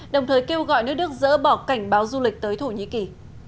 đồng thời kêu gọi nước đức dỡ bỏ cảnh báo du lịch tới thổ nhĩ kỳ